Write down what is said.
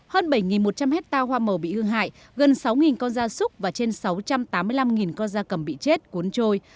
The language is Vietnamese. hơn bảy một trăm linh hectare hoa màu bị hư hại gần sáu con da súc và trên sáu trăm tám mươi năm con da cầm bị chết cuốn trôi